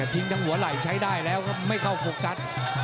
ทิ้งทั้งหัวไหล่ใช้ได้แล้วไม่เข้าถูกกัด